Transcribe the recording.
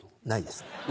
ないですね。